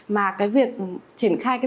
mà việc triển khai